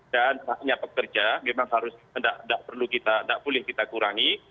dan hanya pekerja memang harus tidak perlu kita tidak boleh kita kurangi